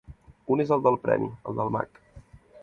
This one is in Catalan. Un és el de premi, el del mag.